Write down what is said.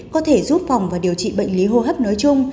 có thể giúp phòng và điều trị bệnh lý hô hấp nói chung